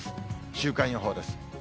週間予報です。